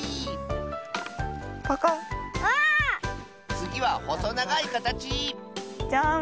つぎはほそながいかたちジャーン。